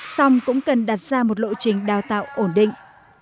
xong cũng cần đặt ra một lộ trình đào tạo ổn định